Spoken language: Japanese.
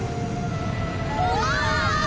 うわ。